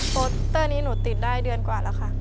โปสเตอร์นี้หนูติดได้เดือนกว่าแล้วค่ะ